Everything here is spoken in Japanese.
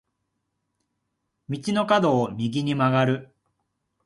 道の角を右に曲がる。